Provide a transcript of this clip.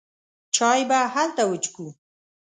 چای به هلته وڅښو.